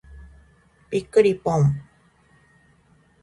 びっくりぽん。